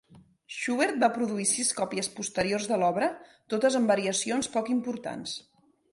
Schubert va produir sis còpies posteriors de l'obra, totes amb variacions poc importants.